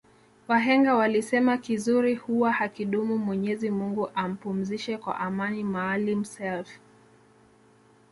Wahenga walisema kizuri huwa hakidumu Mwenyezi Mungu ampumzishe kwa amani maalim self